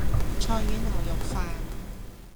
菜遠牛肉飯